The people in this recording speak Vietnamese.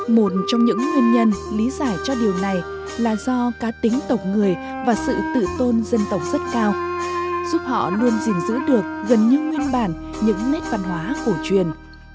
một trong những nguyên nhân lý giải cho điều này là do cá tính tộc người và sự tự tôn dân tộc rất cao giúp họ luôn gìn giữ được gần như nguyên bản những nét văn hóa cổ truyền